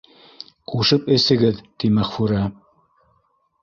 Ҡушып эсегеҙ, — ти Мәғфүрә.